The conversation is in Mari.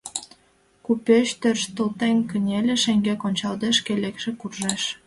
Купеч, тӧршталтен кынелын, шеҥгек ончалде, шке лекше куржеш.